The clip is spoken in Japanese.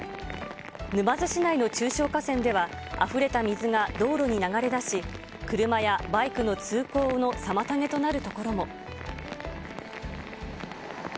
沼津市内の中小河川では、あふれた水が道路に流れ出し、車やバイクの通行の妨げとなる所も。